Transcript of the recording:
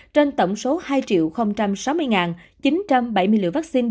trên tổng số hai sáu mươi chín trăm bảy mươi liều vắc xin